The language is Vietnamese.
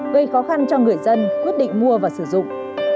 gây khó khăn cho người dân quyết định mua và sử dụng